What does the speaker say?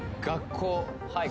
はい